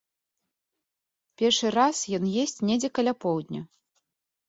Першы раз ён есць недзе каля поўдня.